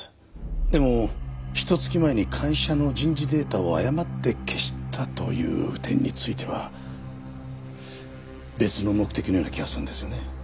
でもひと月前に会社の人事データを誤って消したという点については別の目的のような気がするんですよね。